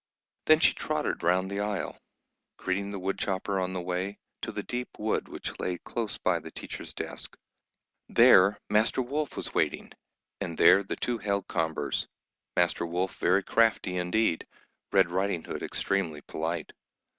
Then she trotted round the aisle, greeting the woodchopper on the way, to the deep wood which lay close by the teacher's desk. There master wolf was waiting, and there the two held converse, master wolf very crafty indeed, Red Riding Hood extremely polite.